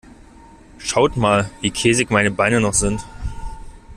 Schaut mal, wie käsig meine Beine noch sind.